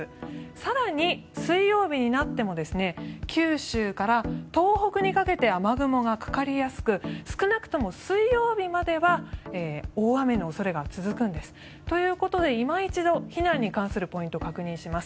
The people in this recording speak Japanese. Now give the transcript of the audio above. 更に水曜日になっても九州から東北にかけて雨雲がかかりやすく少なくとも水曜日までは大雨の恐れが続くんです。ということで、いま一度避難に関するポイントを確認します。